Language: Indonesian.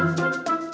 ini kita lihat